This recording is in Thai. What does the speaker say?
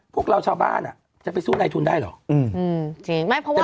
พวกเราชาวบ้านอะจะไปสู้ไล่ทุนได้หรออืมอืมจริงไม่เพราะว่า